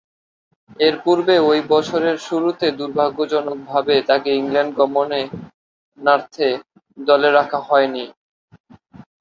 এরপূর্বে ঐ বছরের শুরুতে দূর্ভাগ্যজনকভাবে তাকে ইংল্যান্ড গমনার্থে দলে রাখা হয়নি।